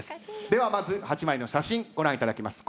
ではまず８枚の写真ご覧いただきます。